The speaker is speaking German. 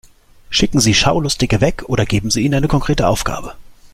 Schicken Sie Schaulustige weg oder geben Sie ihnen eine konkrete Aufgabe.